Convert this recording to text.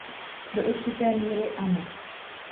Do určité míry ano.